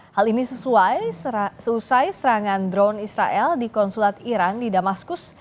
hal ini sesuai seusai serangan drone israel di konsulat iran di damaskus